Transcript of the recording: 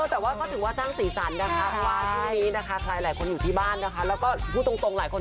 แดนส์กันให้หายขอแหงเลยจ้า